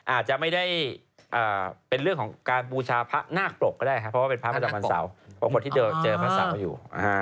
อาจจะไม่ได้เป็นเรื่องของการบูชาพระนาคปรกก็ได้ครับเพราะว่าเป็นพระประจำวันเสาร์ปรากฏที่เจอพระเสาอยู่